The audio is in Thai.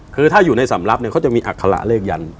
คือถ้าอยู่ในสำรับเนี่ยเขาจะมีอัคระเลขยัน